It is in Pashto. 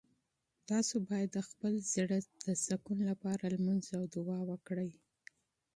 تاسو باید د خپل زړه د سکون لپاره لمونځ او دعا وکړئ.